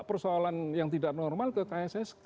persoalan yang tidak normal ke kss